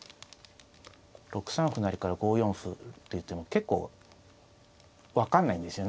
６三歩成から５四歩っていう手も結構分かんないんですよね。